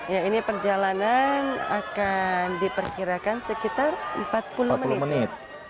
ya ini perjalanan akan diperkirakan sekitar empat puluh menit